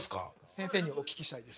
先生にお聞きしたいです。